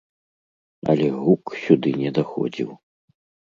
Але гук сюды не даходзіў.